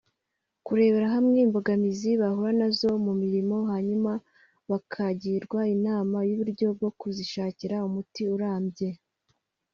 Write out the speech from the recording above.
kurebera hamwe imbogamizi bahura na zo mu mirimo; hanyuma bakagirwa inama y’uburyo bwo kuzishakira umuti urambye